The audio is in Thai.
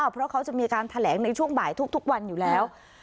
เพราะเขาจะมีการแถลงในช่วงบ่ายทุกวันอยู่แล้ว